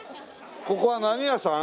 ここは何屋さん？